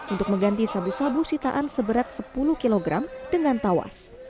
untuk mengganti sabu sabu sitaan seberat sepuluh kg dengan tawas